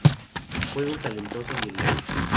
Fue un talentoso violinista.